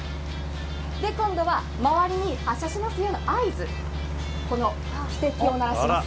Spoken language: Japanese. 今度は周りに発車しますよの合図、この汽笛を鳴らします。